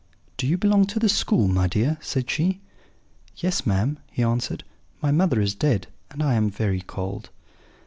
"'Do you belong to the school, my dear?' said she. "'Yes, ma'am,' he answered; 'my mother is dead, and I am very cold.'